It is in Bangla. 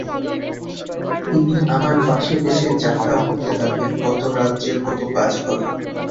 তিনি আমার পাশে বসে যা-তা বকতে লাগলেন, কত রাজ্যের কত বাজে কথা।